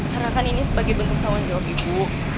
karena kan ini sebagai bentuk tawar jawab ibu